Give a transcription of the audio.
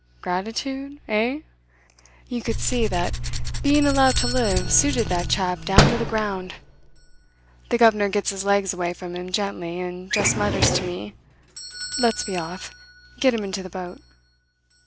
Gratitude, eh? You could see that being allowed to live suited that chap down to the ground. The governor gets his legs away from him gently and just mutters to me: "'Let's be off. Get him into the boat.'